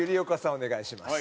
お願いします。